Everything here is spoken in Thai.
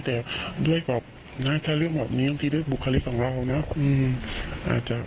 แต่ด้วยบอกนะถ้าเรื่องแบบนี้บางทีด้วยบุคลิกของเรานะ